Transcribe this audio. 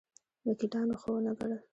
وکیلانو ښه ونه ګڼل.